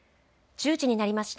１０時になりました。